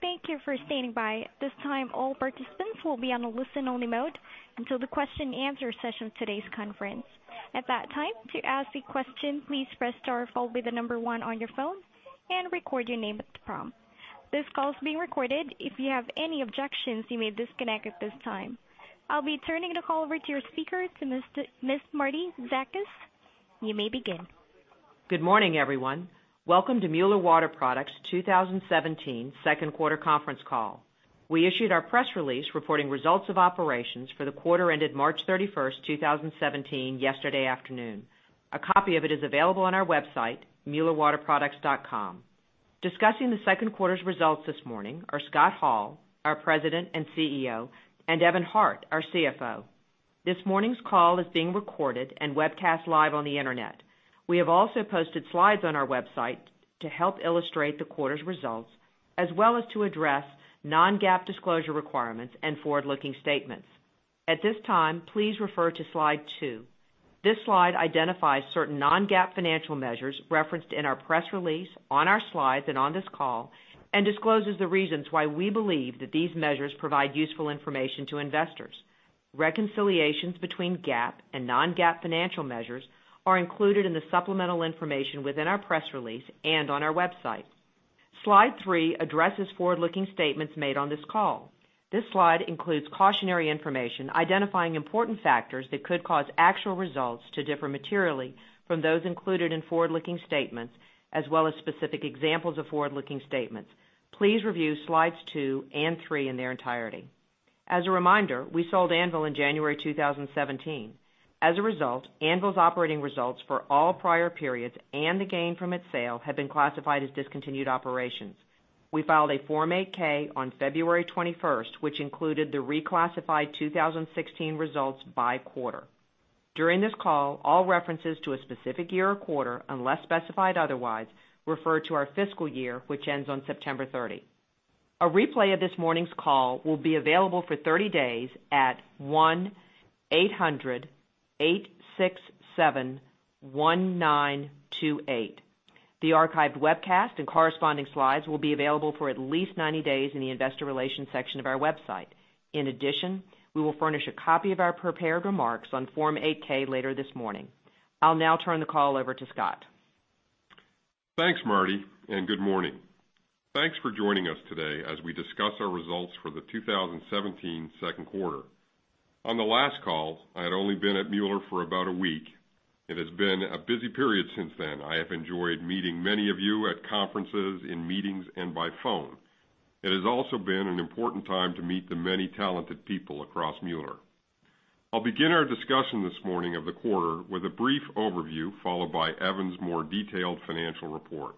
Welcome, and thank you for standing by. At this time, all participants will be on a listen-only mode until the question and answer session of today's conference. At that time, to ask a question, please press star followed by the number one on your phone and record your name at the prompt. This call is being recorded. If you have any objections, you may disconnect at this time. I'll be turning the call over to your speaker, to Ms. Marietta Zakas. You may begin. Good morning, everyone. Welcome to Mueller Water Products' 2017 second quarter conference call. We issued our press release reporting results of operations for the quarter ended March 31st, 2017 yesterday afternoon. A copy of it is available on our website, muellerwaterproducts.com. Discussing the second quarter's results this morning are J. Scott Hall, our President and CEO, and Evan Hart, our CFO. This morning's call is being recorded and webcast live on the internet. We have also posted slides on our website to help illustrate the quarter's results, as well as to address non-GAAP disclosure requirements and forward-looking statements. At this time, please refer to Slide 2. This slide identifies certain non-GAAP financial measures referenced in our press release, on our slides, and on this call, and discloses the reasons why we believe that these measures provide useful information to investors. Reconciliations between GAAP and non-GAAP financial measures are included in the supplemental information within our press release and on our website. Slide 3 addresses forward-looking statements made on this call. This slide includes cautionary information identifying important factors that could cause actual results to differ materially from those included in forward-looking statements, as well as specific examples of forward-looking statements. Please review Slides 2 and 3 in their entirety. As a reminder, we sold Anvil in January 2017. As a result, Anvil's operating results for all prior periods and the gain from its sale have been classified as discontinued operations. We filed a Form 8-K on February 21st, which included the reclassified 2016 results by quarter. During this call, all references to a specific year or quarter, unless specified otherwise, refer to our fiscal year, which ends on September 30. A replay of this morning's call will be available for 30 days at 1-800-867-1928. The archived webcast and corresponding slides will be available for at least 90 days in the investor relations section of our website. In addition, we will furnish a copy of our prepared remarks on Form 8-K later this morning. I'll now turn the call over to Scott. Thanks, Marti, and good morning. Thanks for joining us today as we discuss our results for the 2017 second quarter. On the last call, I had only been at Mueller for about a week. It has been a busy period since then. I have enjoyed meeting many of you at conferences, in meetings, and by phone. It has also been an important time to meet the many talented people across Mueller. I'll begin our discussion this morning of the quarter with a brief overview, followed by Evan's more detailed financial report.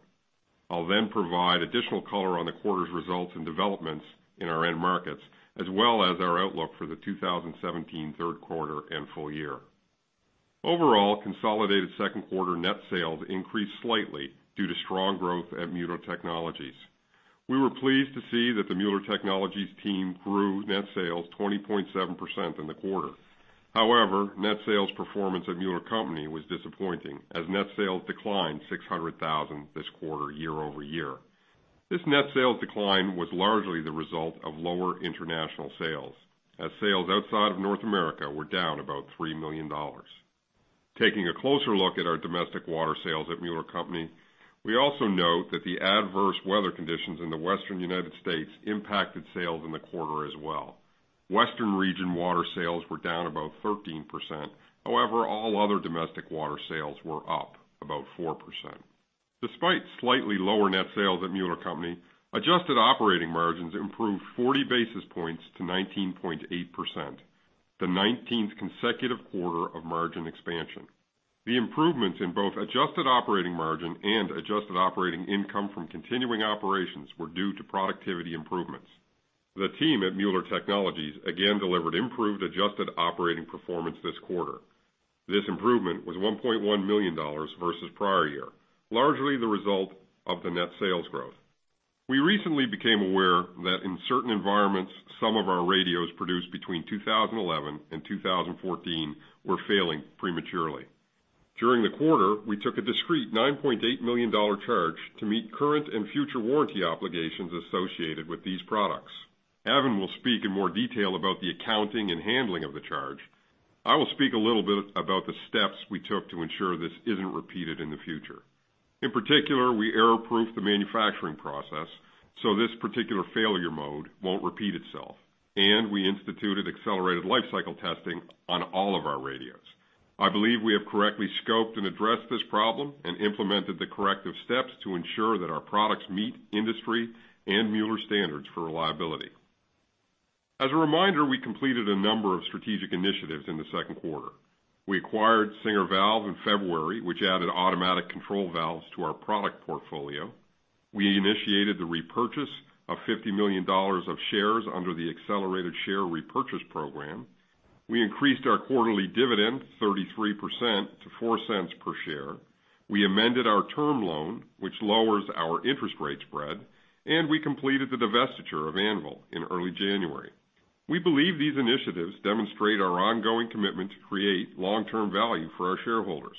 I'll then provide additional color on the quarter's results and developments in our end markets, as well as our outlook for the 2017 third quarter and full year. Overall, consolidated second quarter net sales increased slightly due to strong growth at Mueller Technologies. We were pleased to see that the Mueller Technologies team grew net sales 20.7% in the quarter. However, net sales performance at Mueller Co. was disappointing as net sales declined $600,000 this quarter year-over-year. This net sales decline was largely the result of lower international sales, as sales outside of North America were down about $3 million. Taking a closer look at our domestic water sales at Mueller Co., we also note that the adverse weather conditions in the Western U.S. impacted sales in the quarter as well. Western region water sales were down about 13%. However, all other domestic water sales were up about 4%. Despite slightly lower net sales at Mueller Co., adjusted operating margins improved 40 basis points to 19.8%, the 19th consecutive quarter of margin expansion. The improvements in both adjusted operating margin and adjusted operating income from continuing operations were due to productivity improvements. The team at Mueller Technologies again delivered improved adjusted operating performance this quarter. This improvement was $1.1 million versus prior year, largely the result of the net sales growth. We recently became aware that in certain environments, some of our radios produced between 2011 and 2014 were failing prematurely. During the quarter, we took a discrete $9.8 million charge to meet current and future warranty obligations associated with these products. Evan will speak in more detail about the accounting and handling of the charge. I will speak a little bit about the steps we took to ensure this isn't repeated in the future. In particular, we error-proofed the manufacturing process so this particular failure mode won't repeat itself, and we instituted accelerated life cycle testing on all of our radios. I believe we have correctly scoped and addressed this problem and implemented the corrective steps to ensure that our products meet industry and Mueller standards for reliability. As a reminder, we completed a number of strategic initiatives in the second quarter. We acquired Singer Valve in February, which added automatic control valves to our product portfolio. We initiated the repurchase of $50 million of shares under the accelerated share repurchase program. We increased our quarterly dividend 33% to $0.04 per share. We amended our term loan, which lowers our interest rate spread, and we completed the divestiture of Anvil in early January. We believe these initiatives demonstrate our ongoing commitment to create long-term value for our shareholders.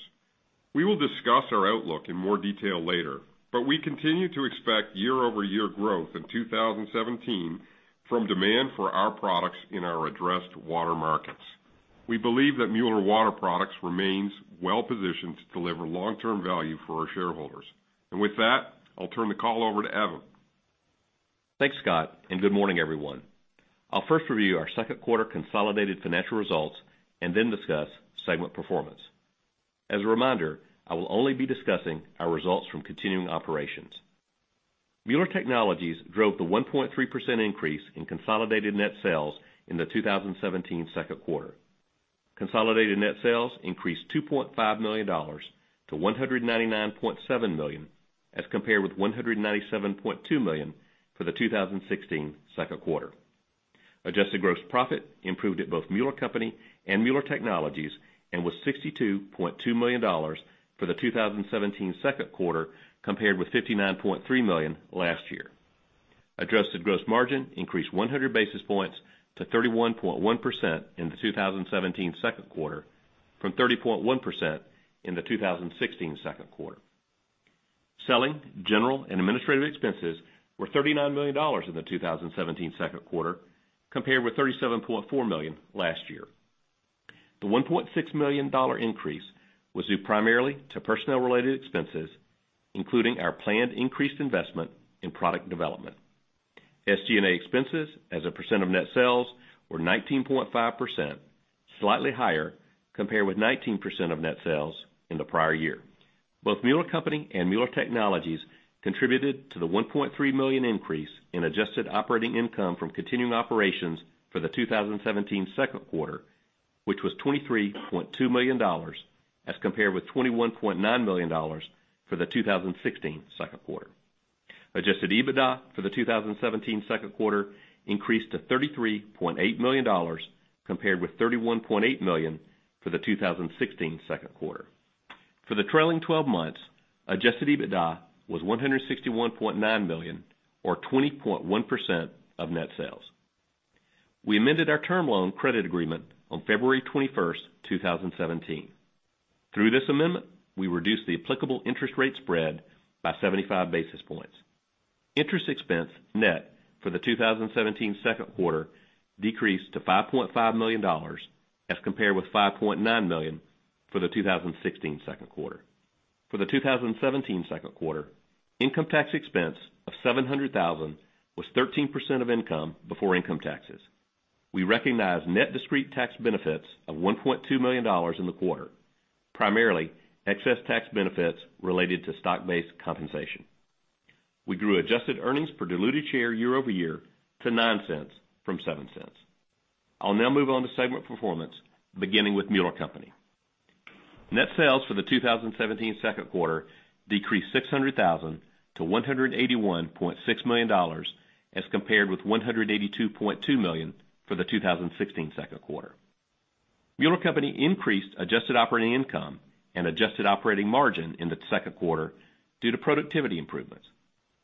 We will discuss our outlook in more detail later, but we continue to expect year-over-year growth in 2017 from demand for our products in our addressed water markets. We believe that Mueller Water Products remains well-positioned to deliver long-term value for our shareholders. With that, I'll turn the call over to Evan. Thanks, Scott. Good morning, everyone. I'll first review our second quarter consolidated financial results then discuss segment performance. As a reminder, I will only be discussing our results from continuing operations. Mueller Technologies drove the 1.3% increase in consolidated net sales in the 2017 second quarter. Consolidated net sales increased $2.5 million to $199.7 million, as compared with $197.2 million for the 2016 second quarter. Adjusted gross profit improved at both Mueller Co. and Mueller Technologies and was $62.2 million for the 2017 second quarter, compared with $59.3 million last year. Adjusted gross margin increased 100 basis points to 31.1% in the 2017 second quarter from 30.1% in the 2016 second quarter. Selling, General and Administrative expenses were $39 million in the 2017 second quarter, compared with $37.4 million last year. The $1.6 million increase was due primarily to personnel-related expenses, including our planned increased investment in product development. SG&A expenses as a percent of net sales were 19.5%, slightly higher compared with 19% of net sales in the prior year. Both Mueller Co. and Mueller Technologies contributed to the $1.3 million increase in adjusted operating income from continuing operations for the 2017 second quarter, which was $23.2 million, as compared with $21.9 million for the 2016 second quarter. Adjusted EBITDA for the 2017 second quarter increased to $33.8 million, compared with $31.8 million for the 2016 second quarter. For the trailing 12 months, adjusted EBITDA was $161.9 million, or 20.1% of net sales. We amended our term loan credit agreement on February 21st, 2017. Through this amendment, we reduced the applicable interest rate spread by 75 basis points. Interest expense net for the 2017 second quarter decreased to $5.5 million as compared with $5.9 million for the 2016 second quarter. For the 2017 second quarter, income tax expense of $700,000 was 13% of income before income taxes. We recognized net discrete tax benefits of $1.2 million in the quarter, primarily excess tax benefits related to stock-based compensation. We grew adjusted earnings per diluted share year-over-year to $0.09 from $0.07. I'll now move on to segment performance, beginning with Mueller Co. Net sales for the 2017 second quarter decreased $600,000 to $181.6 million as compared with $182.2 million for the 2016 second quarter. Mueller Co. increased adjusted operating income and adjusted operating margin in the second quarter due to productivity improvements.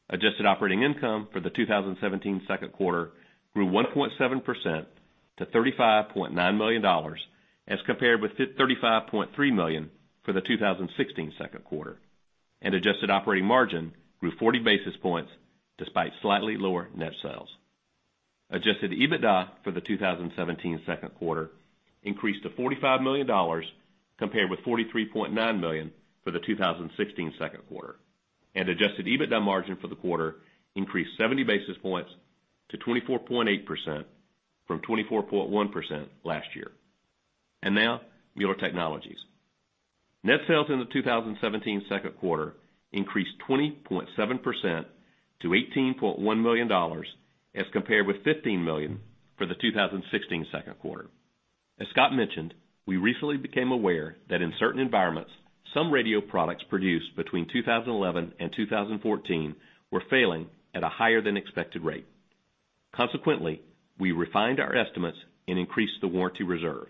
Adjusted operating income for the 2017 second quarter grew 1.7% to $35.9 million as compared with $35.3 million for the 2016 second quarter. Adjusted operating margin grew 40 basis points despite slightly lower net sales. Adjusted EBITDA for the 2017 second quarter increased to $45 million, compared with $43.9 million for the 2016 second quarter. Adjusted EBITDA margin for the quarter increased 70 basis points to 24.8% from 24.1% last year. Now Mueller Technologies. Net sales in the 2017 second quarter increased 20.7% to $18.1 million as compared with $15 million for the 2016 second quarter. As Scott mentioned, we recently became aware that in certain environments, some radio products produced between 2011 and 2014 were failing at a higher than expected rate. Consequently, we refined our estimates and increased the warranty reserve.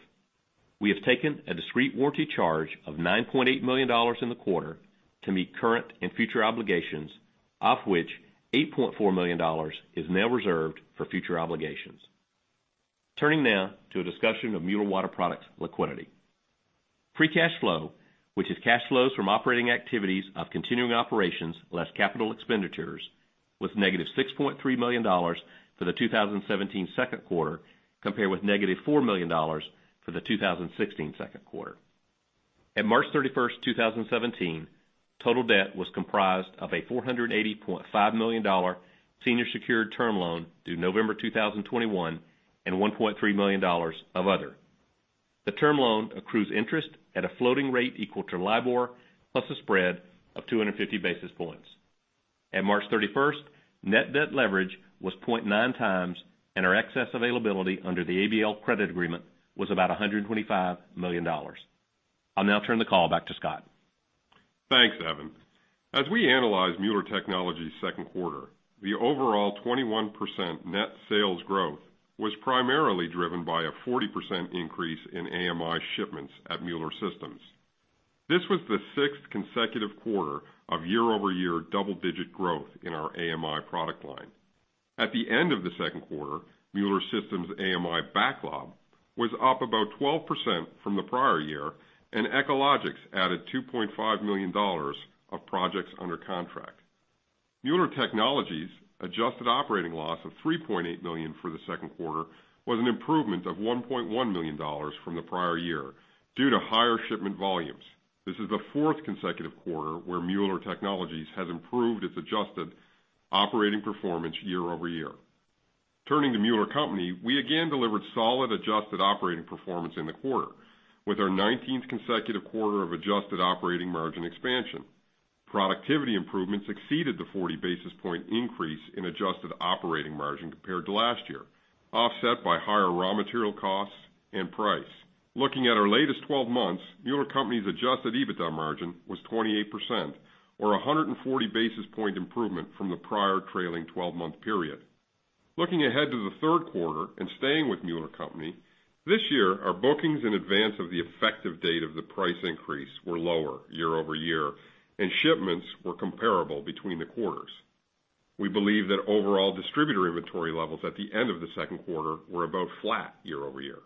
We have taken a discrete warranty charge of $9.8 million in the quarter to meet current and future obligations, of which $8.4 million is now reserved for future obligations. Turning now to a discussion of Mueller Water Products liquidity. Free cash flow, which is cash flows from operating activities of continuing operations less capital expenditures, was negative $6.3 million for the 2017 second quarter, compared with negative $4 million for the 2016 second quarter. At March 31st, 2017, total debt was comprised of a $480.5 million senior secured term loan due November 2021 and $1.3 million of other. The term loan accrues interest at a floating rate equal to LIBOR plus a spread of 250 basis points. At March 31st, net debt leverage was 0.9 times and our excess availability under the ABL credit agreement was about $125 million. I'll now turn the call back to Scott. Thanks, Evan. As we analyze Mueller Technologies' second quarter, the overall 21% net sales growth was primarily driven by a 40% increase in AMI shipments at Mueller Systems. This was the sixth consecutive quarter of year-over-year double-digit growth in our AMI product line. At the end of the second quarter, Mueller Systems AMI backlog was up about 12% from the prior year, and Echologics added $2.5 million of projects under contract. Mueller Technologies' adjusted operating loss of $3.8 million for the second quarter was an improvement of $1.1 million from the prior year due to higher shipment volumes. This is the fourth consecutive quarter where Mueller Technologies has improved its adjusted operating performance year-over-year. Turning to Mueller Co., we again delivered solid adjusted operating performance in the quarter, with our 19th consecutive quarter of adjusted operating margin expansion. Productivity improvements exceeded the 40-basis-point increase in adjusted operating margin compared to last year, offset by higher raw material costs and price. Looking at our latest 12 months, Mueller Co.'s adjusted EBITDA margin was 28%, or a 140-basis-point improvement from the prior trailing 12-month period. Looking ahead to the third quarter and staying with Mueller Co., this year, our bookings in advance of the effective date of the price increase were lower year-over-year, and shipments were comparable between the quarters. We believe that overall distributor inventory levels at the end of the second quarter were about flat year-over-year.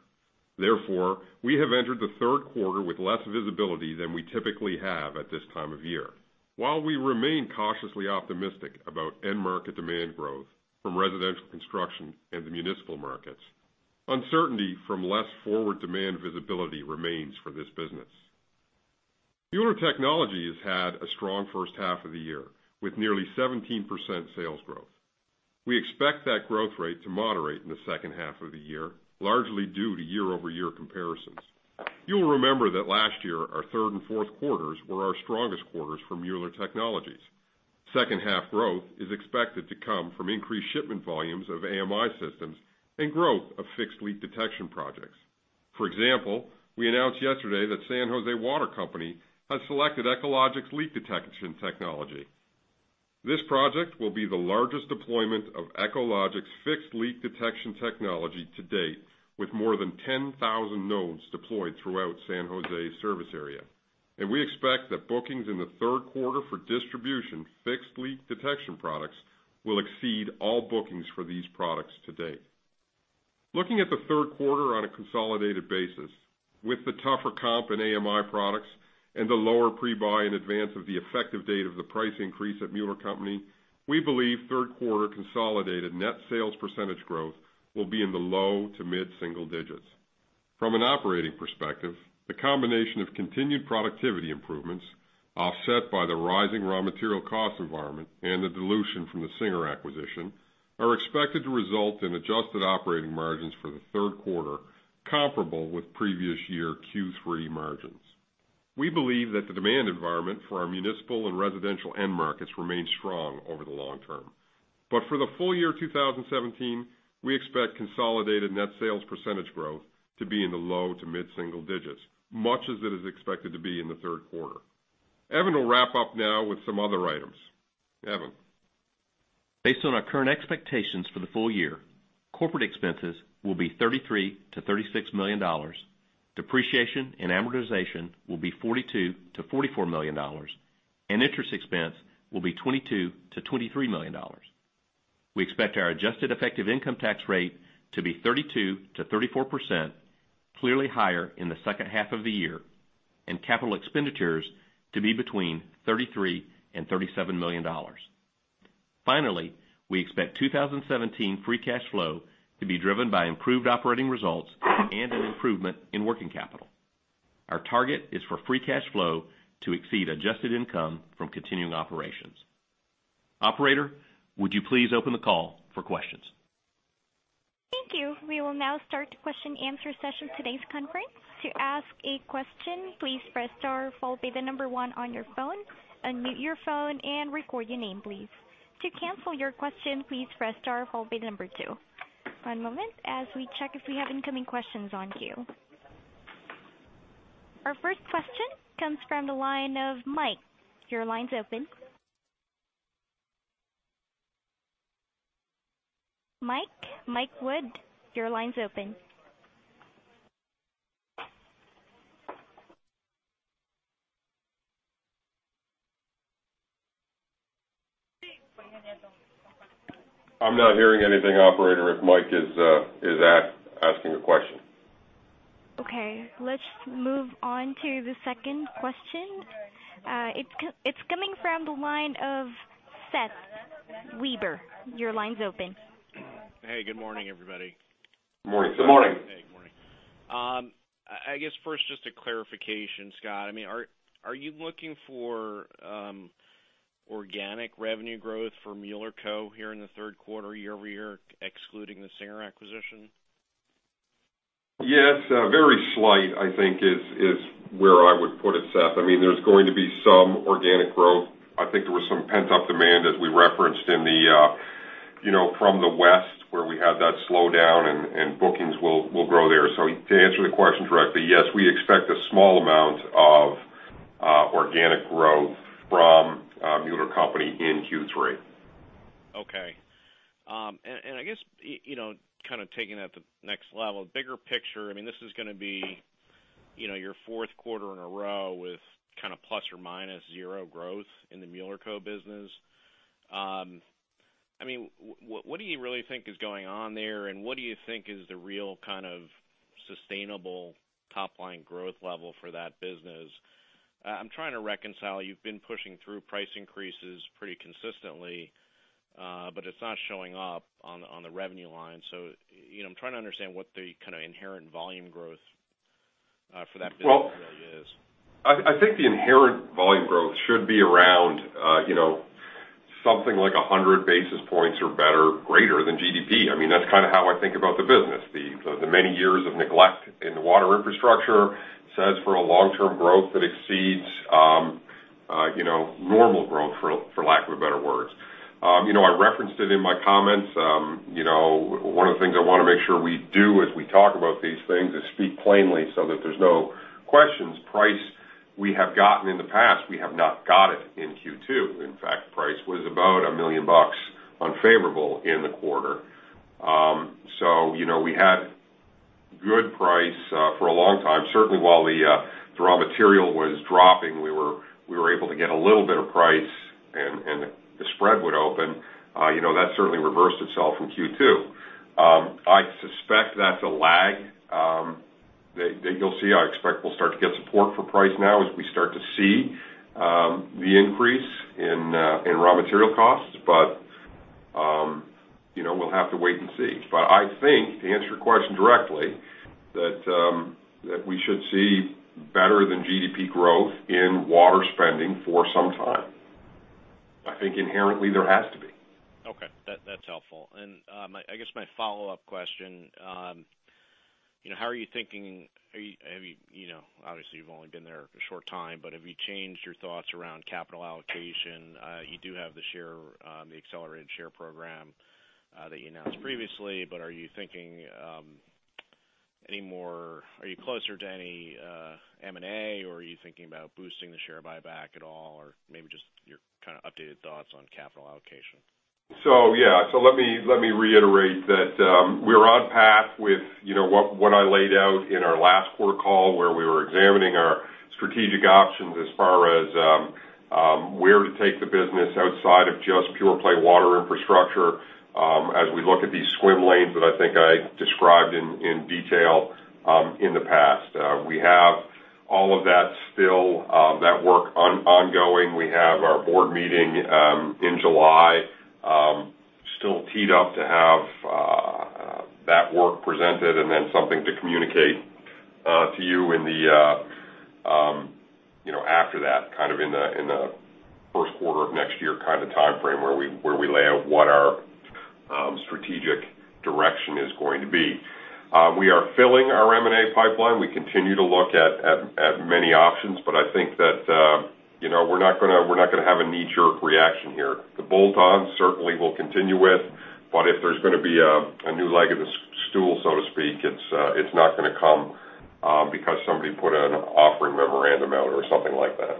Therefore, we have entered the third quarter with less visibility than we typically have at this time of year. While we remain cautiously optimistic about end market demand growth from residential construction and the municipal markets, uncertainty from less forward demand visibility remains for this business. Mueller Technologies has had a strong first half of the year, with nearly 17% sales growth. We expect that growth rate to moderate in the second half of the year, largely due to year-over-year comparisons. You'll remember that last year, our third and fourth quarters were our strongest quarters for Mueller Technologies. Second half growth is expected to come from increased shipment volumes of AMI systems and growth of fixed leak detection projects. For example, we announced yesterday that San Jose Water Company has selected Echologics leak detection technology. This project will be the largest deployment of Echologics fixed leak detection technology to date, with more than 10,000 nodes deployed throughout San Jose's service area. We expect that bookings in the third quarter for distribution fixed leak detection products will exceed all bookings for these products to date. Looking at the third quarter on a consolidated basis, with the tougher comp in AMI products and the lower pre-buy in advance of the effective date of the price increase at Mueller Co., we believe third quarter consolidated net sales percentage growth will be in the low to mid-single digits. From an operating perspective, the combination of continued productivity improvements offset by the rising raw material cost environment and the dilution from the Singer acquisition are expected to result in adjusted operating margins for the third quarter comparable with previous year Q3 margins. We believe that the demand environment for our municipal and residential end markets remains strong over the long term. For the full year 2017, we expect consolidated net sales percentage growth to be in the low to mid-single digits, much as it is expected to be in the third quarter. Evan will wrap up now with some other items. Evan? Based on our current expectations for the full year, corporate expenses will be $33 million-$36 million, depreciation and amortization will be $42 million-$44 million, and interest expense will be $22 million-$23 million. We expect our adjusted effective income tax rate to be 32%-34%, clearly higher in the second half of the year, and capital expenditures to be between $33 million and $37 million. Finally, we expect 2017 free cash flow to be driven by improved operating results and an improvement in working capital. Our target is for free cash flow to exceed adjusted income from continuing operations. Operator, would you please open the call for questions? Thank you. We will now start the question and answer session of today's conference. To ask a question, please press star followed by the number one on your phone, unmute your phone, and record your name, please. To cancel your question, please press star followed by the number two. One moment as we check if we have incoming questions on queue. Our first question comes from the line of Mike. Your line's open. Mike? Michael Wood, your line's open. I'm not hearing anything, operator, if Mike is asking a question. Okay, let's move on to the second question. It's coming from the line of Seth Weaver. Your line's open. Hey, good morning, everybody. Morning. Good morning. Good morning. Hey, good morning. I guess first, just a clarification, Scott. Are you looking for organic revenue growth for Mueller Co here in the third quarter year-over-year, excluding the Singer acquisition? Yes. Very slight, I think, is where I would put it, Seth. There's going to be some organic growth. I think there was some pent-up demand as we referenced from the West, where we had that slowdown, and bookings will grow there. To answer the question directly, yes, we expect a small amount of organic growth from Mueller Co. in Q3. Okay. I guess, kind of taking that to the next level, bigger picture, this is going to be your fourth quarter in a row with ±0 growth in the Mueller Co business. What do you really think is going on there, and what do you think is the real sustainable top-line growth level for that business? I'm trying to reconcile, you've been pushing through price increases pretty consistently, but it's not showing up on the revenue line. I'm trying to understand what the inherent volume growth for that business really is. I think the inherent volume growth should be around something like 100 basis points or greater than GDP. That's how I think about the business. The many years of neglect in the water infrastructure sets for a long-term growth that exceeds normal growth, for lack of a better word. I referenced it in my comments. One of the things I want to make sure we do as we talk about these things is speak plainly so that there's no questions. Price we have gotten in the past, we have not got it in Q2. In fact, price was about $1 million unfavorable in the quarter. We had good price for a long time. Certainly, while the raw material was dropping, we were able to get a little bit of price and the spread would open. That certainly reversed itself in Q2. I suspect that's a lag that you'll see. I expect we'll start to get support for price now as we start to see the increase in raw material costs. We'll have to wait and see. I think, to answer your question directly, that we should see better than GDP growth in water spending for some time. I think inherently there has to be. Okay. That's helpful. I guess my follow-up question, obviously you've only been there a short time, but have you changed your thoughts around capital allocation? You do have the accelerated share program that you announced previously, but are you closer to any M&A, or are you thinking about boosting the share buyback at all? Maybe just your updated thoughts on capital allocation. Let me reiterate that we're on path with what I laid out in our last quarter call, where we were examining our strategic options as far as where to take the business outside of just pure play water infrastructure, as we look at these swim lanes that I think I described in detail in the past. We have all of that work still ongoing. We have our Board meeting in July. Still teed up to have that work presented and then something to communicate to you after that, in the first quarter of next year timeframe, where we lay out what our strategic direction is going to be. We are filling our M&A pipeline. We continue to look at many options. I think that we're not going to have a knee-jerk reaction here. The bolt-ons certainly we'll continue with, but if there's going to be a new leg of the stool, so to speak, it's not going to come because somebody put an offering memorandum out or something like that.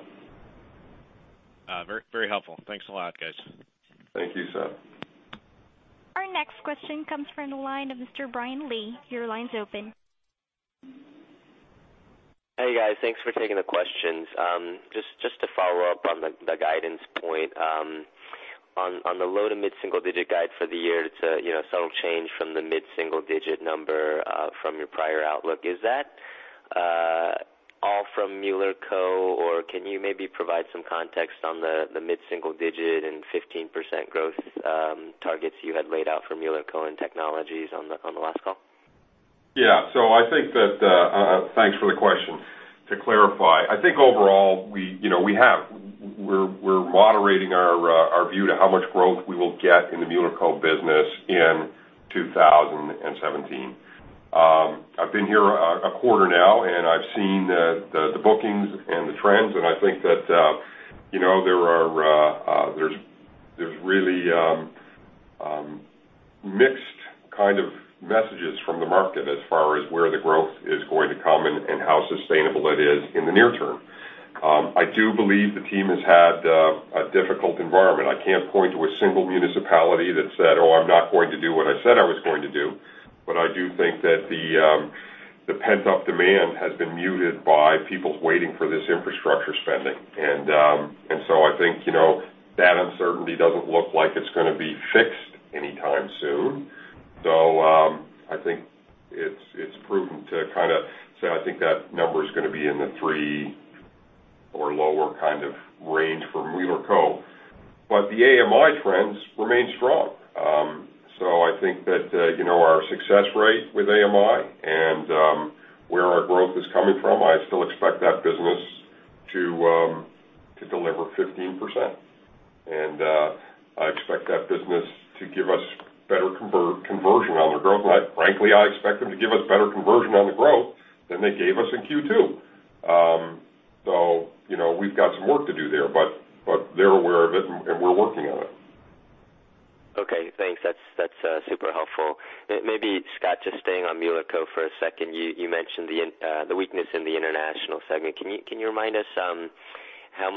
Very helpful. Thanks a lot, guys. Thank you, Seth. Our next question comes from the line of Mr. Bryan Blair. Your line's open. Hey, guys. Thanks for taking the questions. Just to follow up on the guidance point. On the low to mid single-digit guide for the year, it's a subtle change from the mid single-digit number from your prior outlook. Is that all from Mueller Co., or can you maybe provide some context on the mid single-digit and 15% growth targets you had laid out for Mueller Co. and Mueller Technologies on the last call? Yeah. Thanks for the question. To clarify, I think overall, we're moderating our view to how much growth we will get in the Mueller Co. business in 2017. I've been here a quarter now, and I've seen the bookings and the trends, and I think that there's really mixed kind of messages from the market as far as where the growth is going to come and how sustainable it is in the near term. I do believe the team has had a difficult environment. I can't point to a single municipality that said, "Oh, I'm not going to do what I said I was going to do," but I do think that the pent-up demand has been muted by people waiting for this infrastructure spending. I think that uncertainty doesn't look like it's going to be fixed anytime soon. I think it's prudent to say I think that number is going to be in the three or lower kind of range from Mueller Co. The AMI trends remain strong. I think that our success rate with AMI and where our growth is coming from, I still expect that business to deliver 15%. I expect that business to give us better conversion on their growth. Frankly, I expect them to give us better conversion on the growth than they gave us in Q2. We've got some work to do there, but they're aware of it and we're working on it. Okay, thanks. That's super helpful. Maybe, Scott, just staying on Mueller Co. for a second. You mentioned the weakness in the international segment. Can you remind us how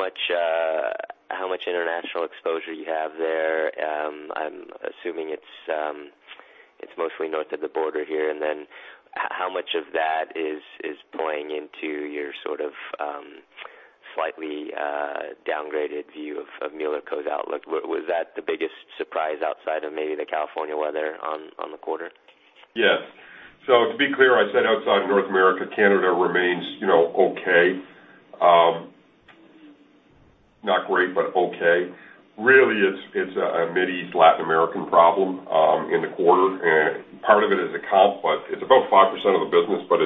much international exposure you have there? I'm assuming it's mostly north of the border here, and then how much of that is playing into your sort of slightly downgraded view of Mueller Co.'s outlook? Was that the biggest surprise outside of maybe the California weather on the quarter? Yes. To be clear, I said outside North America, Canada remains okay. Not great, but okay. Really, it's a Mid-East, Latin American problem in the quarter. Part of it is a comp, but it's about 5% of the business, but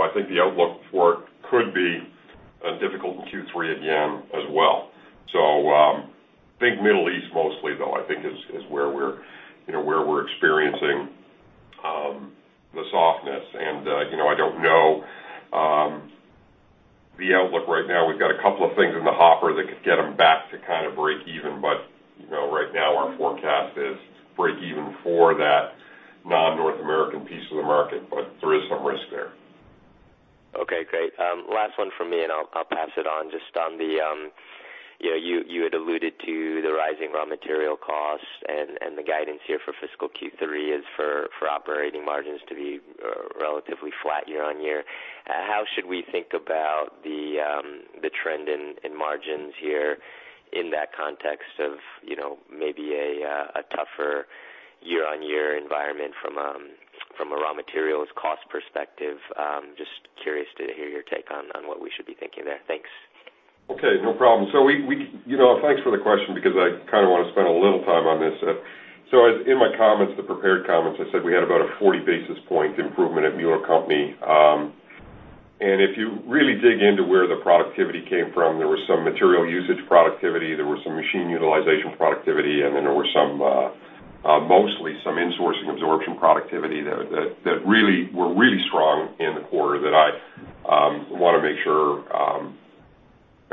I think the outlook for it could be difficult in Q3 again as well. I think Middle East mostly, though, I think is where we're experiencing the softness. I don't know the outlook right now. We've got a couple of things in the hopper that could get them back to kind of breakeven, but right now, our forecast is breakeven for that non-North American piece of the market, but there is some risk there. Okay, great. Last one from me, I'll pass it on. Just on the You had alluded to the rising raw material costs and the guidance here for fiscal Q3 is for operating margins to be relatively flat year-on-year. How should we think about the trend in margins here in that context of maybe a tougher year-on-year environment from a raw materials cost perspective? Just curious to hear your take on what we should be thinking there. Thanks. Okay, no problem. Thanks for the question because I kind of want to spend a little time on this. In my comments, the prepared comments, I said we had about a 40 basis point improvement at Mueller Co.. If you really dig into where the productivity came from, there was some material usage productivity, there was some machine utilization productivity, and then there were mostly some insourcing absorption productivity that were really strong in the quarter that I want to make sure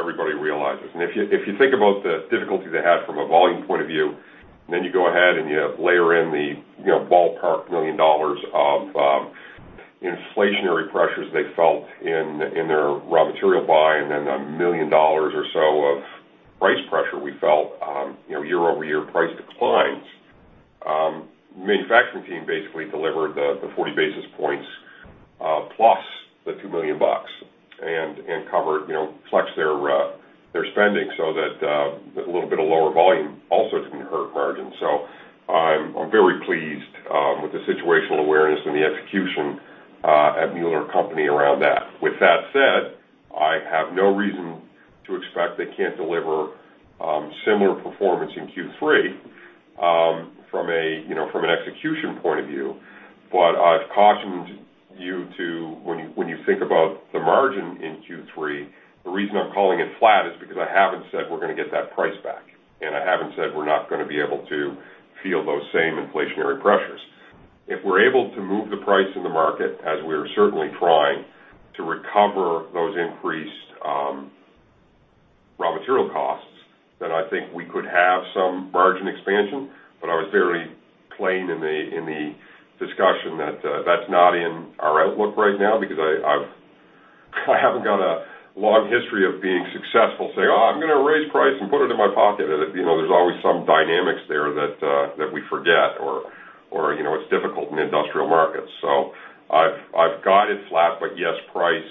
everybody realizes. If you think about the difficulty they had from a volume point of view, and then you go ahead and you layer in the ballpark $1 million of inflationary pressures they felt in their raw material buy, and then $1 million or so of price pressure we felt year-over-year price declines. Manufacturing team basically delivered the 40 basis points, plus the $2 million and covered, flex their spending so that a little bit of lower volume also didn't hurt margin. I'm very pleased with the situational awareness and the execution at Mueller Co. around that. With that said, I have no reason to expect they can't deliver similar performance in Q3 from an execution point of view. I'd caution you to, when you think about the margin in Q3, the reason I'm calling it flat is because I haven't said we're going to get that price back. I haven't said we're not going to be able to feel those same inflationary pressures. If we're able to move the price in the market, as we're certainly trying, to recover those increased raw material costs, then I think we could have some margin expansion. I was very plain in the discussion that's not in our outlook right now because I haven't got a long history of being successful, saying, "Oh, I'm going to raise price and put it in my pocket." There's always some dynamics there that we forget or it's difficult in industrial markets. I've got it flat, but yes, price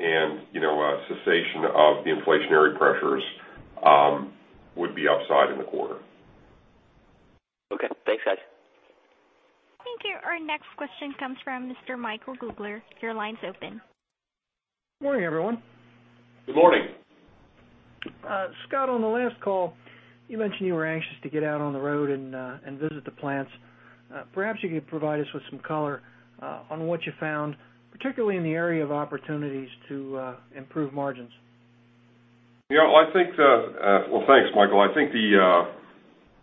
and cessation of the inflationary pressures would be upside in the quarter. Okay, thanks, guys. Thank you. Our next question comes from Mr. Michael Halloran. Your line's open. Morning, everyone. Good morning. Scott, on the last call, you mentioned you were anxious to get out on the road and visit the plants. Perhaps you could provide us with some color on what you found, particularly in the area of opportunities to improve margins. Well, thanks, Michael. I think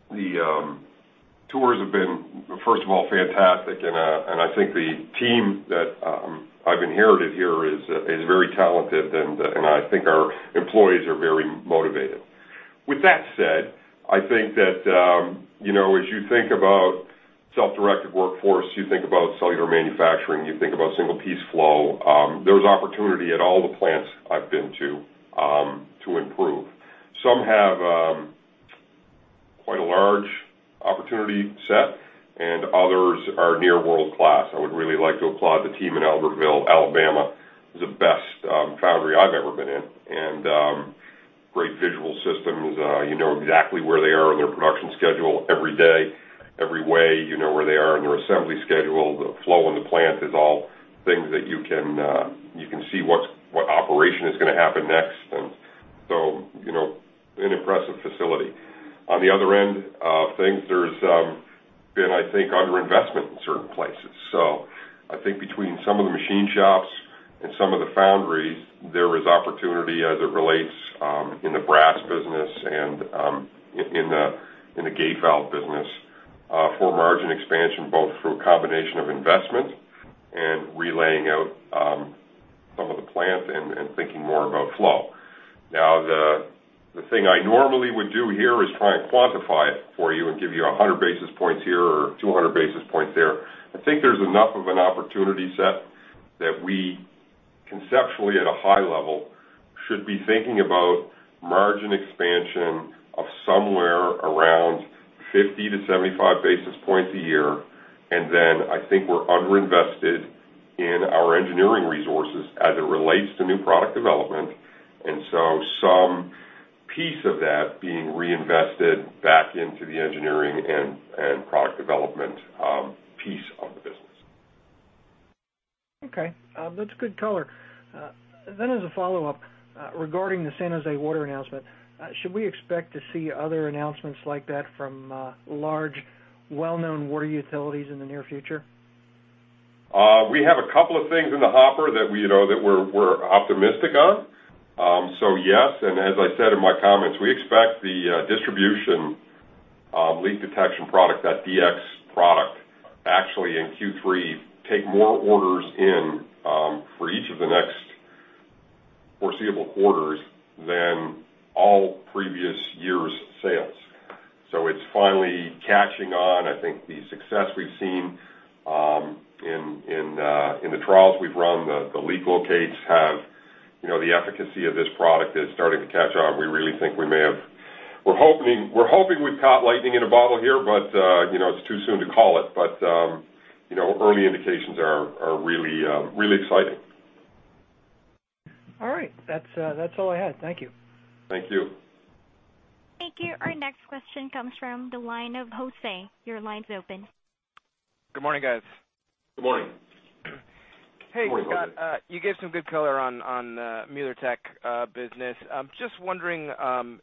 the tours have been, first of all, fantastic, and I think the team that I've inherited here is very talented, and I think our employees are very motivated. With that said, I think that as you think about self-directed workforce, you think about cellular manufacturing, you think about single-piece flow, there's opportunity at all the plants I've been to improve. Some have quite a large opportunity set, and others are near world-class. I would really like to applaud the team in Albertville, Alabama. It's the best foundry I've ever been in. Great visual systems. You know exactly where they are in their production schedule every day. Every way, you know where they are in their assembly schedule. The flow in the plant is all things that you can see what operation is going to happen next. An impressive facility. On the other end of things, there's been, I think, underinvestment in certain places. I think between some of the machine shops and some of the foundries, there is opportunity as it relates in the brass business and in the gate valve business for margin expansion, both through a combination of investment and relaying out some of the plant and thinking more about flow. The thing I normally would do here is try and quantify it for you and give you 100 basis points here or 200 basis points there. I think there's enough of an opportunity set that we conceptually, at a high level, should be thinking about margin expansion of somewhere around 50 to 75 basis points a year. I think we're under-invested in our engineering resources as it relates to new product development, and so some piece of that being reinvested back into the engineering and product development piece of the business. Okay. That's a good color. As a follow-up, regarding the San Jose Water announcement, should we expect to see other announcements like that from large, well-known water utilities in the near future? We have a couple of things in the hopper that we're optimistic on. Yes, and as I said in my comments, we expect the distribution of leak detection product, that EchoShore-DX product, actually in Q3, take more orders in for each of the next foreseeable quarters than all previous years' sales. It's finally catching on. I think the success we've seen in the trials we've run, the leak locates have the efficacy of this product is starting to catch on. We're hoping we've caught lightning in a bottle here, but it's too soon to call it. Early indications are really exciting. All right. That's all I had. Thank you. Thank you. Thank you. Our next question comes from the line of Jose. Your line's open. Good morning, guys. Good morning. Hey, Scott. You gave some good color on the Mueller Tech business. I'm just wondering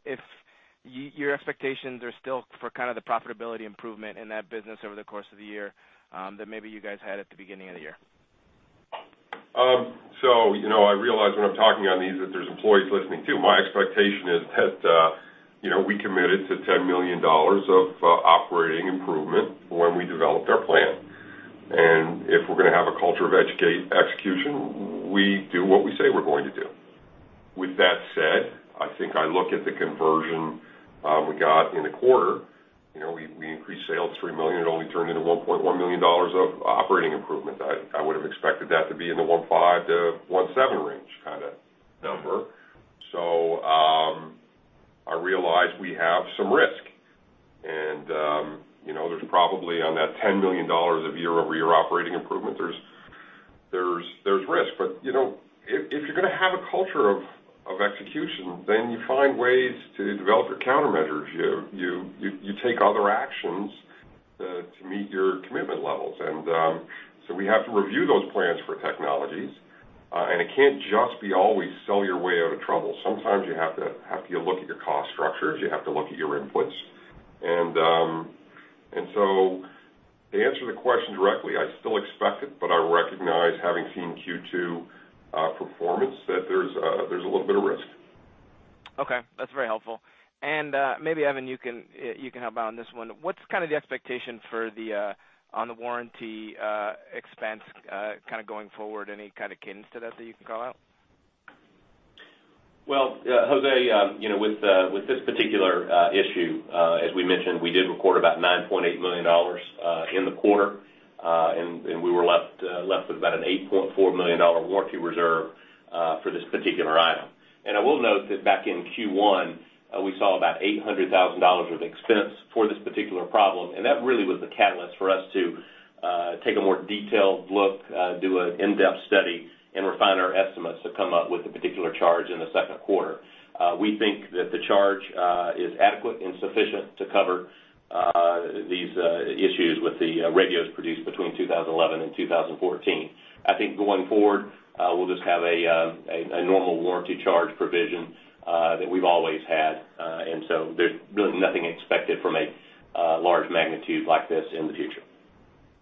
if your expectations are still for the profitability improvement in that business over the course of the year, that maybe you guys had at the beginning of the year. I realize when I'm talking on these that there's employees listening, too. My expectation is that we committed to $10 million of operating improvement when we developed our plan. If we're going to have a culture of execution, we do what we say we're going to do. With that said, I think I look at the conversion we got in the quarter. We increased sales $3 million. It only turned into $1.1 million of operating improvement. I would have expected that to be in the $1.5 million-$1.7 million range kind of number. I realize we have some risk and there's probably on that $10 million of year-over-year operating improvement, there's risk. If you're going to have a culture of execution, you find ways to develop your countermeasures. You take other actions to meet your commitment levels. We have to review those plans for technologies. It can't just be always sell your way out of trouble. Sometimes you have to look at your cost structures. You have to look at your inputs. To answer the question directly, I still expect it, but I recognize having seen Q2 performance, that there's a little bit of risk. Okay. That's very helpful. Maybe Evan, you can help out on this one. What's the expectation on the warranty expense going forward? Any kind of hints to that you can call out? Well, Jose, with this particular issue, as we mentioned, we did record about $9.8 million in the quarter. We were left with about an $8.4 million warranty reserve for this particular item. I will note that back in Q1, we saw about $800,000 of expense for this particular problem, and that really was the catalyst for us to take a more detailed look, do an in-depth study, and refine our estimates to come up with a particular charge in the second quarter. We think that the charge is adequate and sufficient to cover these issues with the radios produced between 2011 and 2014. I think going forward, we'll just have a normal warranty charge provision that we've always had. So there's really nothing expected from a large magnitude like this in the future.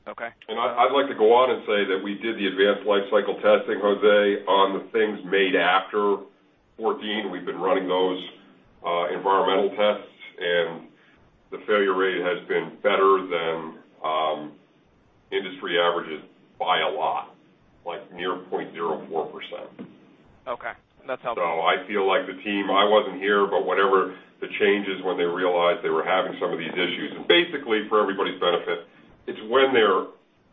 Okay. I'd like to go on and say that we did the advanced life cycle testing, Jose, on the things made after 2014. We've been running those environmental tests, the failure rate has been better than industry averages by a lot, like near 0.04%. Okay. That's helpful. I feel like the team, I wasn't here, but whatever the change is when they realized they were having some of these issues. Basically, for everybody's benefit, it's when they're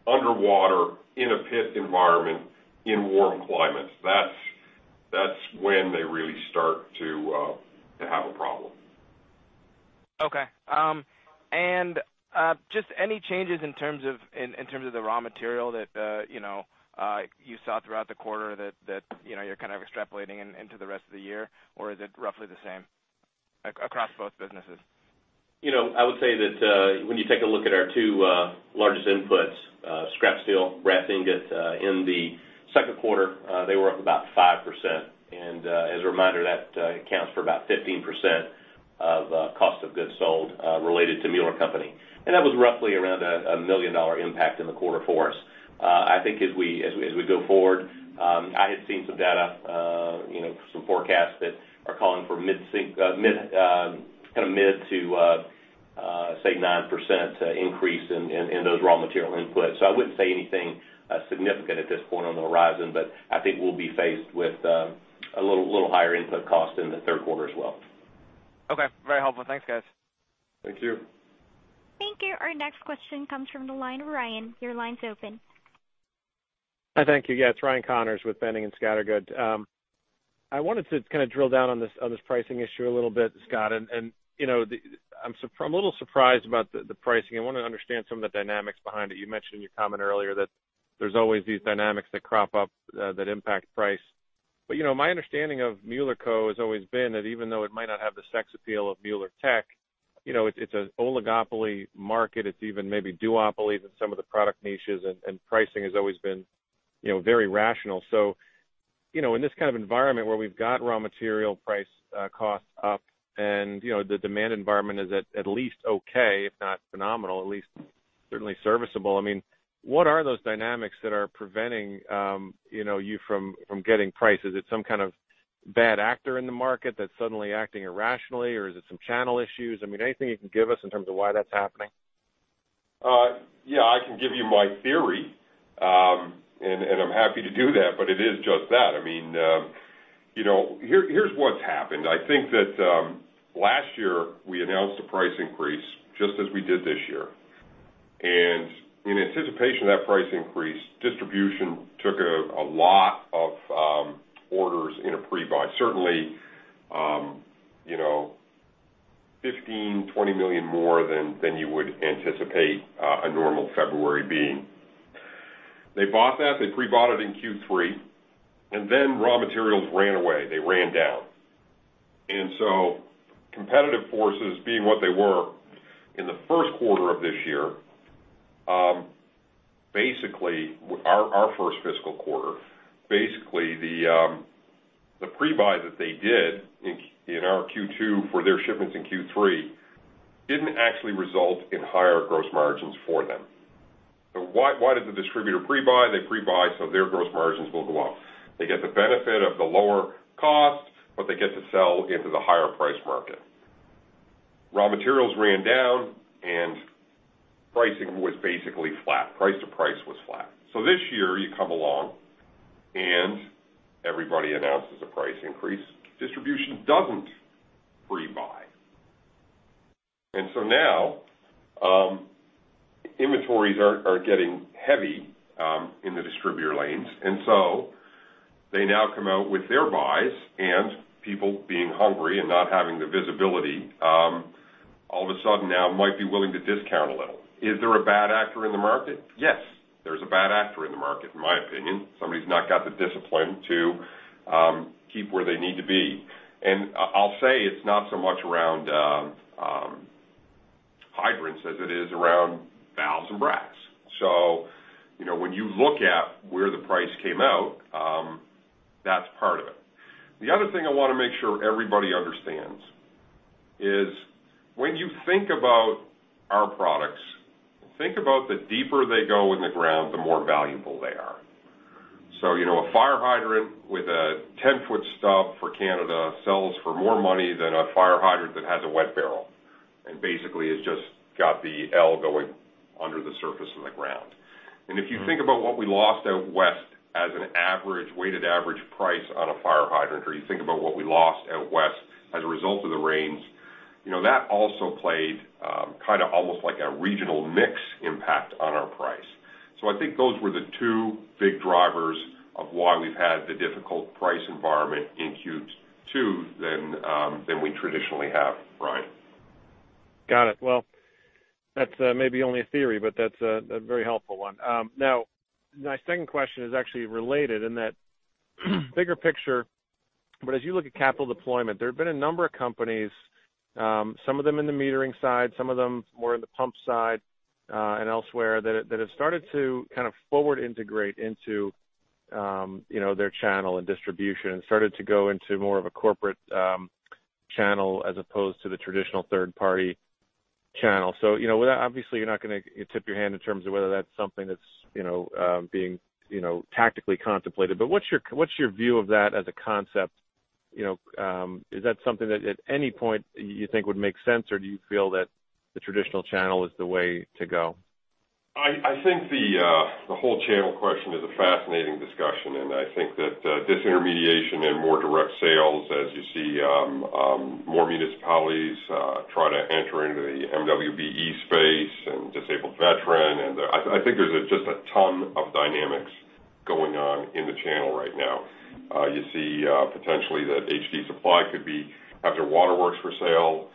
underwater in a pit environment in warm climates. That's when they really start to have a problem. Okay. Just any changes in terms of the raw material that you saw throughout the quarter that you're extrapolating into the rest of the year, or is it roughly the same across both businesses? I would say that when you take a look at our two largest inputs, scrap steel, red ingot, in the second quarter, they were up about 5%. As a reminder, that accounts for about 15% of cost of goods sold related to Mueller Co.. That was roughly around a $1 million impact in the quarter for us. I think as we go forward, I had seen some data, some forecasts that are calling for mid to say, 9% increase in those raw material inputs. I wouldn't say anything significant at this point on the horizon, but I think we'll be faced with a little higher input cost in the third quarter as well. Okay. Very helpful. Thanks, guys. Thank you. Thank you. Our next question comes from the line of Ryan. Your line's open. Hi. Thank you. Yeah, it's Ryan Connors with Boenning & Scattergood. I wanted to kind of drill down on this pricing issue a little bit, Scott. I'm a little surprised about the pricing. I want to understand some of the dynamics behind it. You mentioned in your comment earlier that there's always these dynamics that crop up, that impact price. My understanding of Mueller Co. has always been that even though it might not have the sex appeal of Mueller Tech, it's an oligopoly market. It's even maybe duopoly in some of the product niches, and pricing has always been very rational. In this kind of environment where we've got raw material price, costs up, and the demand environment is at least okay, if not phenomenal, at least certainly serviceable. I mean, what are those dynamics that are preventing you from getting prices? Is it some kind of bad actor in the market that's suddenly acting irrationally, or is it some channel issues? I mean, anything you can give us in terms of why that's happening? Yeah. I can give you my theory, and I'm happy to do that, but it is just that. Here's what's happened. I think that, last year, we announced a price increase just as we did this year. In anticipation of that price increase, distribution took a lot of orders in a pre-buy. Certainly, $15 million, $20 million more than you would anticipate a normal February being. They bought that, they pre-bought it in Q3, and then raw materials ran away. They ran down. Competitive forces being what they were in the first quarter of this year, basically, our first fiscal quarter, basically, the pre-buy that they did in our Q2 for their shipments in Q3 didn't actually result in higher gross margins for them. Why did the distributor pre-buy? They pre-buy so their gross margins will go up. They get the benefit of the lower cost, but they get to sell into the higher price market. Raw materials ran down and pricing was basically flat. Price to price was flat. This year, you come along and everybody announces a price increase. Distribution doesn't pre-buy. Now, inventories are getting heavy, in the distributor lanes. They now come out with their buys, and people being hungry and not having the visibility, all of a sudden now might be willing to discount a little. Is there a bad actor in the market? Yes, there's a bad actor in the market, in my opinion. Somebody's not got the discipline to keep where they need to be. I'll say it's not so much around hydrants as it is around valves and brass. When you look at where the price came out, that's part of it. The other thing I wanna make sure everybody understands is when you think about our products, think about the deeper they go in the ground, the more valuable they are. A fire hydrant with a 10-foot stub for Canada sells for more money than a fire hydrant that has a wet barrel, and basically it's just got the L going under the surface in the ground. If you think about what we lost out West as an weighted average price on a fire hydrant, or you think about what we lost out West as a result of the rains, that also played, kind of almost like a regional mix impact on our price. I think those were the two big drivers of why we've had the difficult price environment in Q2 than we traditionally have, Ryan. Got it. Well, that's maybe only a theory, but that's a very helpful one. My second question is actually related in that bigger picture. As you look at capital deployment, there have been a number of companies, some of them in the metering side, some of them more in the pump side, and elsewhere, that have started to kind of forward integrate into their channel and distribution and started to go into more of a corporate channel as opposed to the traditional third-party channel. Obviously you're not gonna tip your hand in terms of whether that's something that's being tactically contemplated. What's your view of that as a concept? Is that something that at any point you think would make sense, or do you feel that the traditional channel is the way to go? I think the whole channel question is a fascinating discussion. I think that, disintermediation and more direct sales, as you see more municipalities try to enter into the MWBE space and disabled veteran, I think there's just a ton of dynamics going on in the channel right now. You see, potentially that HD Supply could be have their waterworks for sale,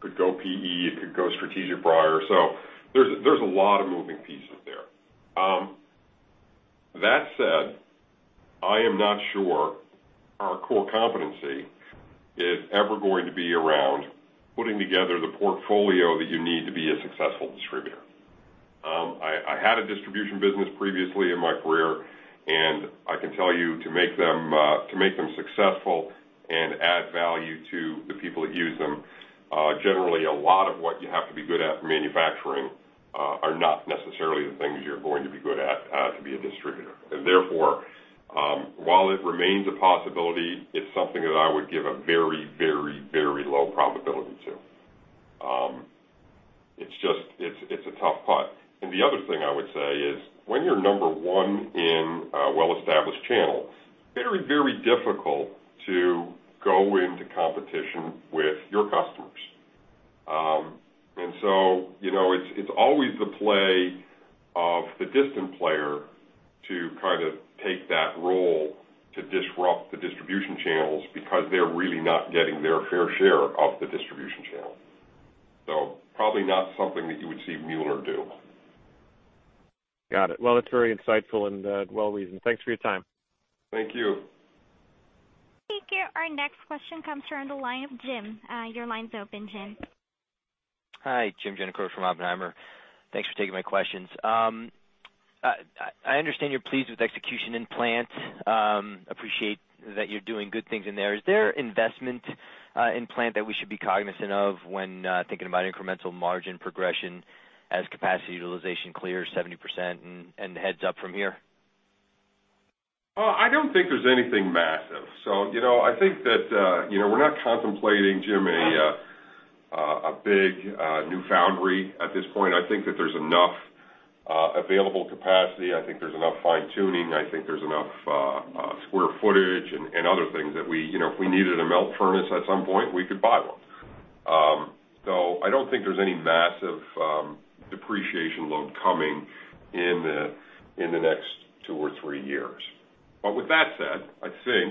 could go PE, it could go strategic buyer. There's a lot of moving pieces there. That said, I am not sure our core competency is ever going to be around putting together the portfolio that you need to be a successful distributor. I had a distribution business previously in my career, I can tell you to make them successful and add value to the people that use them, generally a lot of what you have to be good at for manufacturing are not necessarily the things you're going to be good at to be a distributor. Therefore, while it remains a possibility, it's something that I would give a very, very, very low probability to. It's a tough putt. The other thing I would say is, when you're number one in a well-established channel, very, very difficult to go into competition with your customers. It's always the play of the distant player to kind of take that role to disrupt the distribution channels because they're really not getting their fair share of the distribution channel. Probably not something that you would see Mueller do. Got it. Well, that's very insightful and well-reasoned. Thanks for your time. Thank you. Thank you. Our next question comes from the line of Jim. Your line's open, Jim. Hi, Jim Giannakouros from Oppenheimer. Thanks for taking my questions. I understand you're pleased with execution in plant. Appreciate that you're doing good things in there. Is there investment in plant that we should be cognizant of when thinking about incremental margin progression as capacity utilization clears 70% and heads up from here? I don't think there's anything massive. I think that we're not contemplating, Deane, a big new foundry at this point. I think that there's enough available capacity. I think there's enough fine-tuning. I think there's enough square footage and other things that if we needed a melt furnace at some point, we could buy one. I don't think there's any massive depreciation load coming in the next two or three years. With that said, I think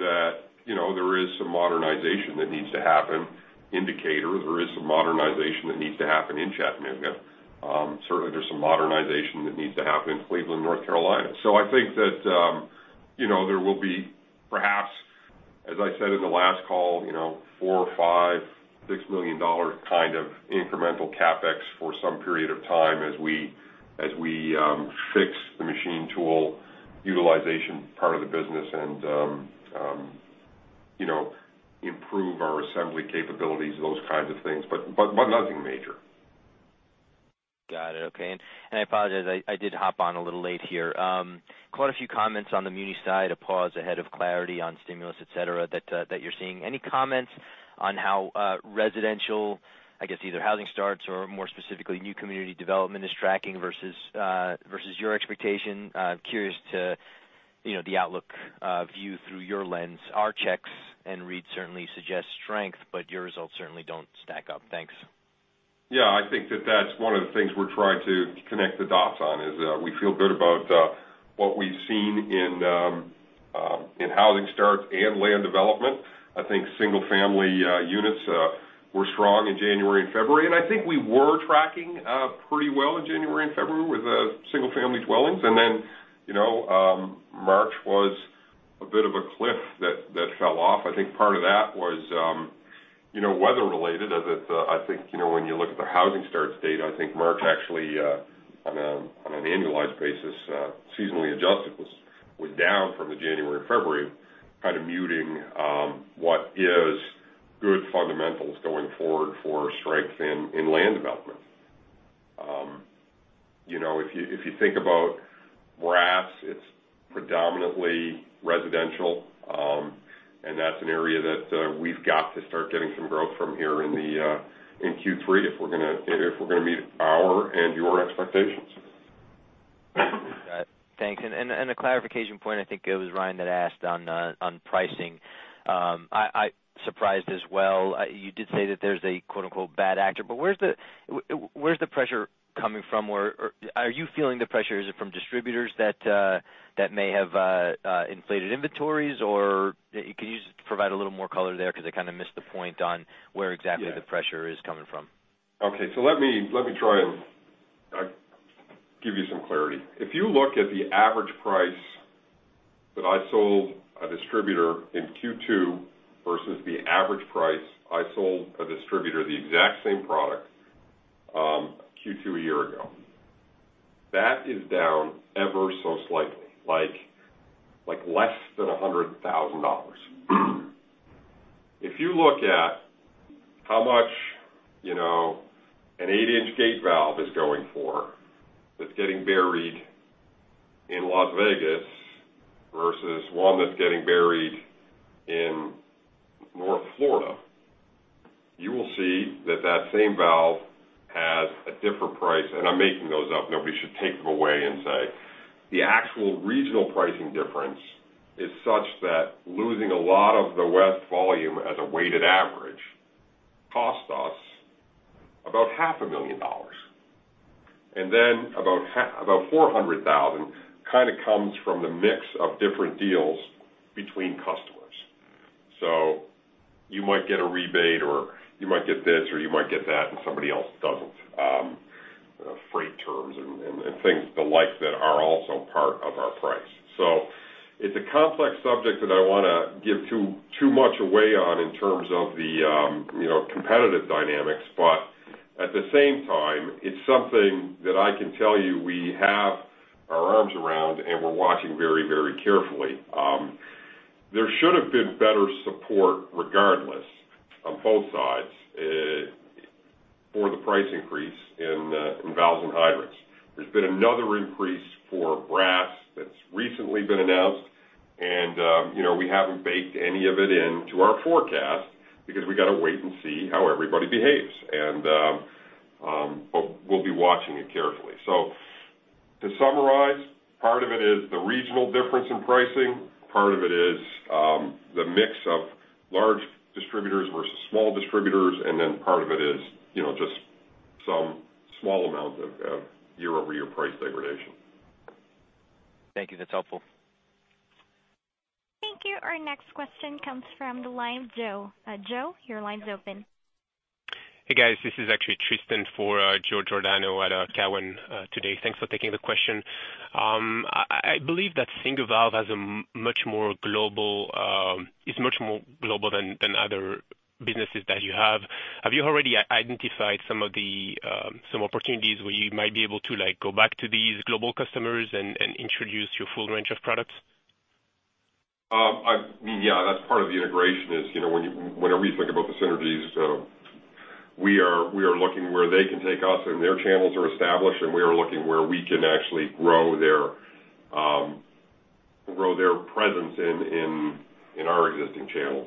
that there is some modernization that needs to happen. In Decatur, there is some modernization that needs to happen in Chattanooga. Certainly, there's some modernization that needs to happen in Cleveland, North Carolina. I think that there will be perhaps, as I said in the last call, $4 million or $5 million, $6 million kind of incremental CapEx for some period of time as we fix the machine tool utilization part of the business and improve our assembly capabilities, those kinds of things, but nothing major. Got it. Okay. I apologize, I did hop on a little late here. Quite a few comments on the muni side, a pause ahead of clarity on stimulus, et cetera, that you're seeing. Any comments on how residential, I guess, either housing starts or more specifically, new community development is tracking versus your expectation? I'm curious to the outlook view through your lens. Our checks and read certainly suggest strength, but your results certainly don't stack up. Thanks. I think that that's one of the things we're trying to connect the dots on, is we feel good about what we've seen in housing starts and land development. I think single-family units were strong in January and February. I think we were tracking pretty well in January and February with the single-family dwellings. March was a bit of a cliff that fell off. I think part of that was weather-related. I think, when you look at the housing starts data, I think March actually, on an annualized basis, seasonally adjusted, was down from the January and February, kind of muting what is good fundamentals going forward for strength in land development. If you think about brass, it's predominantly residential, and that's an area that we've got to start getting some growth from here in Q3 if we're gonna meet our and your expectations. Got it. Thanks. A clarification point, I think it was Ryan that asked on pricing. I'm surprised as well. You did say that there's a quote unquote "bad actor," where's the pressure coming from? Are you feeling the pressure? Is it from distributors that may have inflated inventories? Can you just provide a little more color there, because I kind of missed the point on where exactly the pressure is coming from. Okay. Let me try and give you some clarity. If you look at the average price that I sold a distributor in Q2 versus the average price I sold a distributor the exact same product Q2 a year ago, that is down ever so slightly, like less than $100,000. If you look at how much an eight-inch gate valve is going for that's getting buried in Las Vegas versus one that's getting buried in North Florida, you will see that that same valve has a different price. I'm making those up. Nobody should take them away and say. The actual regional pricing difference is such that losing a lot of the West volume as a weighted average cost us about half a million dollars. Then about $400,000 kind of comes from the mix of different deals between customers. You might get a rebate or you might get this or you might get that and somebody else doesn't. Freight terms and things the like that are also part of our price. It's a complex subject that I don't want to give too much away on in terms of the competitive dynamics. At the same time, it's something I can tell you we have our arms around and we're watching very carefully. There should have been better support regardless, on both sides, for the price increase in valves and hydrants. There's been another increase for brass that's recently been announced and we haven't baked any of it into our forecast because we got to wait and see how everybody behaves. We'll be watching it carefully. To summarize, part of it is the regional difference in pricing, part of it is the mix of large distributors versus small distributors, and then part of it is just some small amount of year-over-year price degradation. Thank you. That's helpful. Thank you. Our next question comes from the line of Joe. Joe, your line's open. Hey, guys, this is actually Tristan for Joe Giordano at Cowen today. Thanks for taking the question. I believe that Singer Valve is much more global than other businesses that you have. Have you already identified some opportunities where you might be able to go back to these global customers and introduce your full range of products? Yeah, that's part of the integration is, whenever you think about the synergies, we are looking where they can take us and their channels are established, and we are looking where we can actually grow their presence in our existing channels.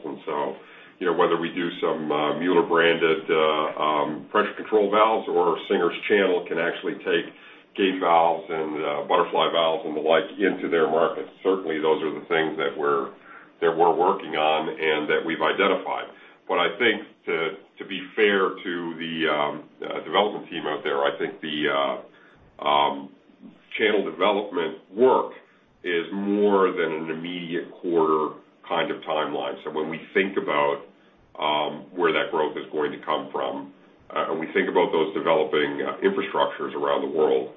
Whether we do some Mueller-branded pressure control valves or Singer's channel can actually take gate valves and butterfly valves and the like into their markets. Certainly, those are the things that we're working on and that we've identified. I think to be fair to the development team out there, I think the channel development work is more than an immediate quarter kind of timeline. When we think about where that growth is going to come from, and we think about those developing infrastructures around the world,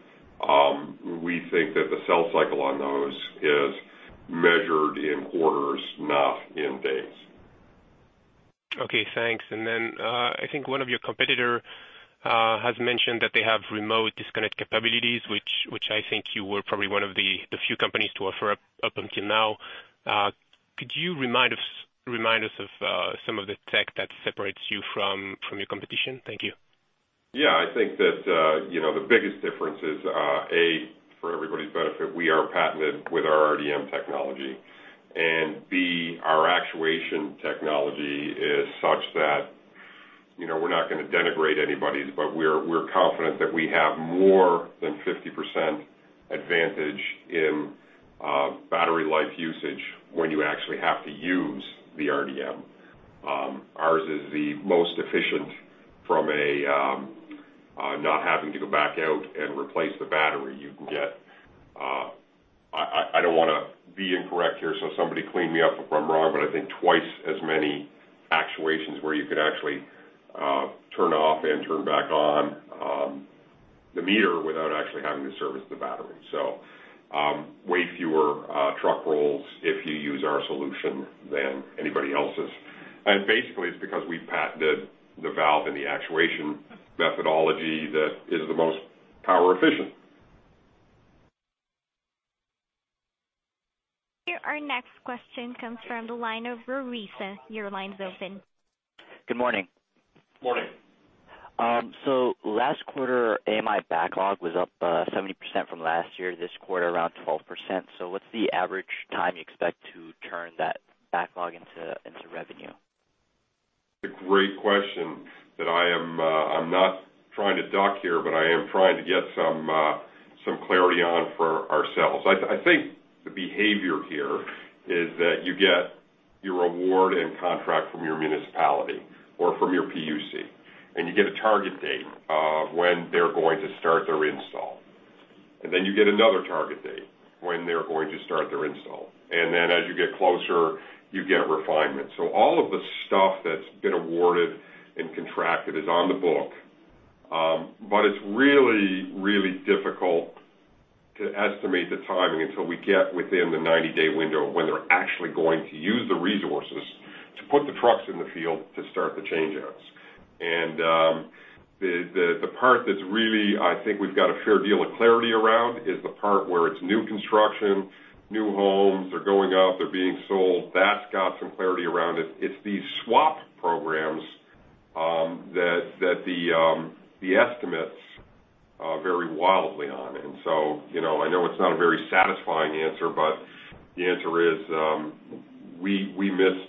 we think that the sales cycle on those is measured in quarters, not in days. Okay, thanks. I think one of your competitor has mentioned that they have remote disconnect capabilities, which I think you were probably one of the few companies to offer up until now. Could you remind us of some of the tech that separates you from your competition? Thank you. Yeah. I think that the biggest difference is, A, for everybody's benefit, we are patented with our RDM technology. B, our actuation technology is such that we're not going to denigrate anybody, but we're confident that we have more than 50% advantage in battery life usage when you actually have to use the RDM. Ours is the most efficient from not having to go back out and replace the battery. You can get, I don't want to be incorrect here, so somebody clean me up if I'm wrong, but I think twice as many actuations where you could actually turn off and turn back on the meter without actually having to service the battery. Way fewer truck rolls if you use our solution than anybody else's. Basically it's because we patented the valve and the actuation methodology that is the most power efficient. Our next question comes from the line of Varisa. Your line's open. Good morning. Morning. Last quarter, AMI backlog was up 70% from last year, this quarter around 12%. What's the average time you expect to turn that backlog into revenue? A great question that I'm not trying to duck here, but I am trying to get some clarity on for ourselves. I think the behavior here is that you get your award and contract from your municipality or from your PUC, and you get a target date of when they're going to start their install. Then you get another target date when they're going to start their install. Then as you get closer, you get refinement. All of the stuff that's been awarded and contracted is on the book. It's really difficult to estimate the timing until we get within the 90-day window of when they're actually going to use the resources to put the trucks in the field to start the change outs. The part that's really, I think we've got a fair deal of clarity around is the part where it's new construction, new homes are going up, they're being sold. That's got some clarity around it. It's these swap programs that the estimates vary wildly on. I know it's not a very satisfying answer, but the answer is, we miss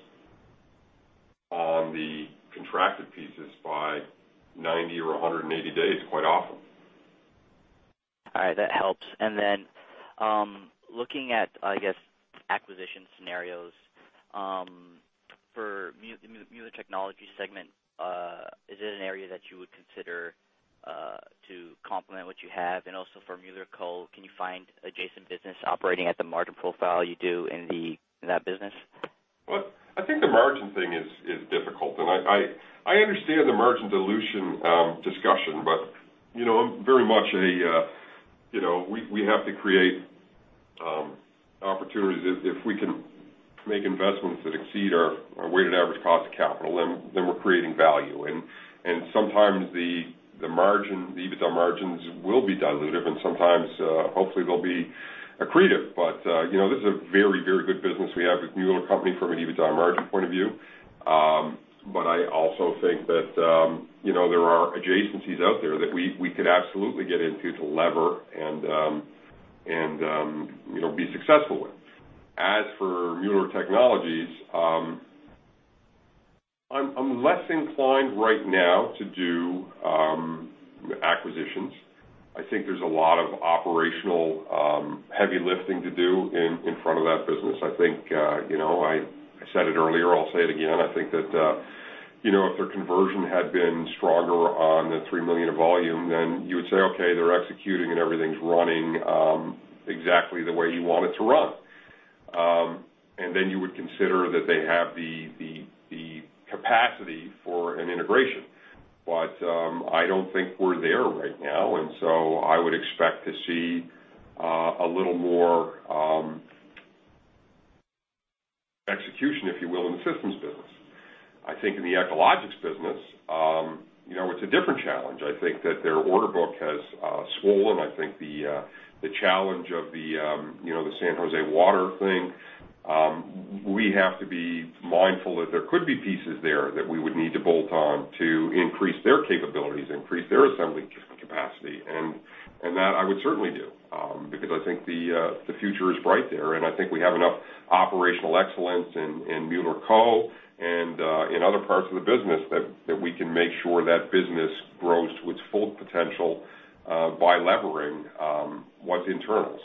on the contracted pieces by 90 or 180 days quite often. All right. That helps. Then, looking at, I guess, acquisition scenarios, for Mueller Technology segment, is it an area that you would consider to complement what you have? Also for Mueller Co., can you find adjacent business operating at the margin profile you do in that business? Well, I think the margin thing is difficult. I understand the margin dilution discussion, but we have to create opportunities. If we can make investments that exceed our weighted average cost of capital, then we're creating value. Sometimes the EBITDA margins will be dilutive, and sometimes, hopefully, they'll be accretive. This is a very good business we have with Mueller Co. from an EBITDA margin point of view. I also think that there are adjacencies out there that we could absolutely get into to lever and be successful with. As for Mueller Technologies, I'm less inclined right now to do acquisitions. I think there's a lot of operational heavy lifting to do in front of that business. I said it earlier, I'll say it again, I think that if their conversion had been stronger on the 3 million of volume, then you would say, okay, they're executing and everything's running exactly the way you want it to run. Then you would consider that they have the capacity for an integration. I don't think we're there right now, so I would expect to see a little more execution, if you will, in the systems business. I think in the Echologics business, it's a different challenge. I think that their order book has swollen. I think the challenge of the San Jose water thing, we have to be mindful that there could be pieces there that we would need to bolt on to increase their capabilities, increase their assembly capacity. That I would certainly do, because I think the future is bright there, and I think we have enough operational excellence in Mueller Co. and in other parts of the business that we can make sure that business grows to its full potential by levering what's internal.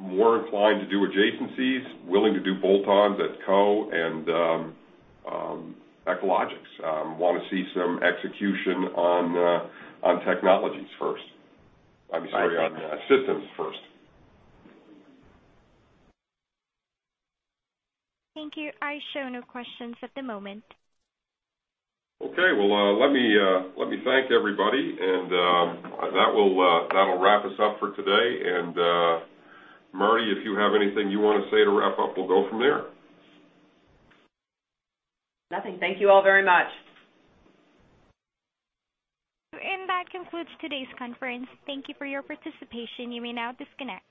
More inclined to do adjacencies, willing to do bolt-ons at Co. and Echologics. Want to see some execution on technologies first. I'm sorry, on systems first. Thank you. I show no questions at the moment. Let me thank everybody, that'll wrap us up for today. Martie, if you have anything you want to say to wrap up, we'll go from there. Nothing. Thank you all very much. That concludes today's conference. Thank you for your participation. You may now disconnect.